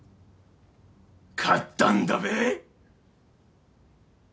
勝ったんだべ？